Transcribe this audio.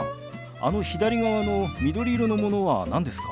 あの左側の緑色のものは何ですか？